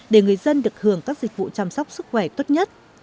để người dân được hưởng các dịch vụ chăm sóc sức khỏe tốt nhất